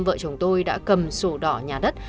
vợ chồng tôi đã cầm sổ đỏ nhà đất